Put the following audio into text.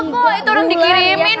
engga kok itu orang dikirimin